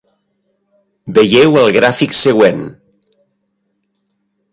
Veieu el gràfic següent: